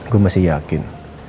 gue masih yakin